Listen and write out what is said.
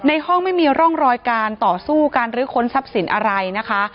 ห้องไม่มีร่องรอยการต่อสู้การรื้อค้นทรัพย์สินอะไรนะคะ